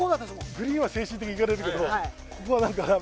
グリーンは精神的にいかれるけどここはなんか。